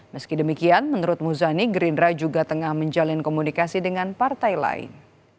meski demikian menurut muzani gerindra juga tengah menjalin komunikasi dengan partai lain